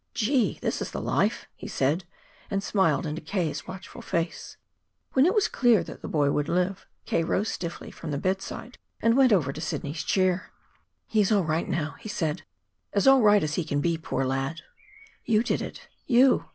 "Gee, this is the life!" he said, and smiled into K.'s watchful face. When it was clear that the boy would live, K. rose stiffly from the bedside and went over to Sidney's chair. "He's all right now," he said "as all right as he can be, poor lad!" "You did it you!